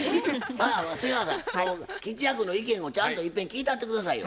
まあ瀬川さん吉弥君の意見もちゃんといっぺん聞いたって下さいよ。